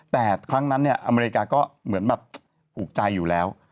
แต่ครั้งนั้นเนี่ยอเมริกาก็เหมือนแบบถูกใจอยู่แล้ว